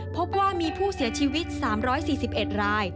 พบว่ามีผู้เสียชีวิต๓๔๑ราย